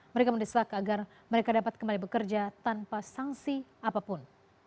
mereka mendesak agar mereka dapat kembali bekerja tanpa sanksi apapun